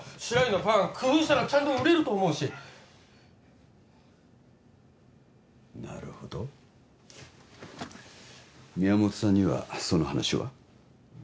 白百合のパン工夫したらちゃんと売れると思うしなるほど宮本さんにはその話は？